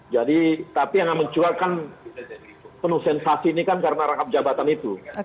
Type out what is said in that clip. jadi tapi yang mencurahkan penuh sensasi ini kan karena rangkap jabatan itu